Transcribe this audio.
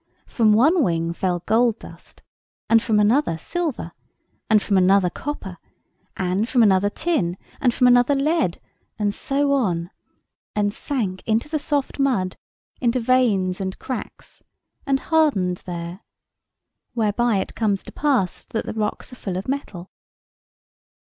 From one wing fell gold dust, and from another silver, and from another copper, and from another tin, and from another lead, and so on, and sank into the soft mud, into veins and cracks, and hardened there. Whereby it comes to pass that the rocks are full of metal.